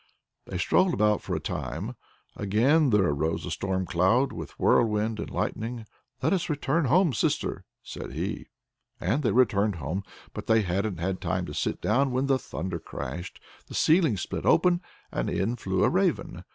They strolled about for a time. Again there arose a stormcloud, with whirlwind and lightning. "Let us return home, sister!" said he. They returned home, but they hadn't had time to sit down when the thunder crashed, the ceiling split open, and in flew a raven.